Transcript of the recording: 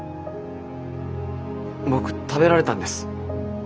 僕食べられたんです。